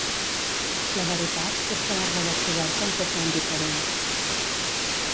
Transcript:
La veritat és que la redescoberta ens deixà indiferents.